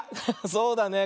そうだね。